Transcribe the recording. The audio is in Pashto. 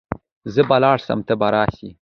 زه به ولاړ سم ته به راسي .